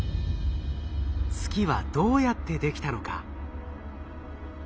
月はどうやってできたのか？